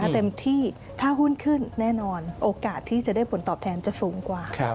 เต็มที่ถ้าหุ้นขึ้นแน่นอนโอกาสที่จะได้ผลตอบแทนจะสูงกว่า